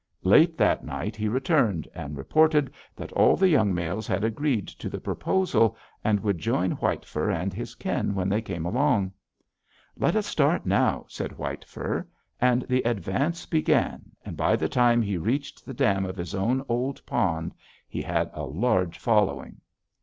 Late that night he returned, and reported that all the young males had agreed to the proposal, and would join White Fur and his kin when they came along. "'Let us start now,' said White Fur; and the advance began, and by the time he reached the dam of his own old pond, he had a large following.